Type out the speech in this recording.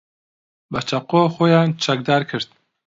بە چەقۆ خۆیان چەکدار کرد.